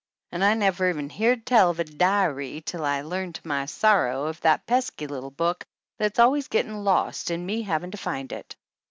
An' I never even heered tell of a di ry till I learned to my sorrow of that pesky little book that's always gettin' lost and me havin' to find it."